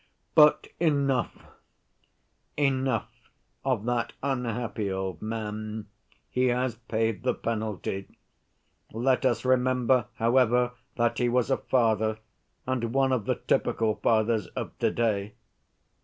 "But enough, enough of that unhappy old man; he has paid the penalty. Let us remember, however, that he was a father, and one of the typical fathers of to‐day.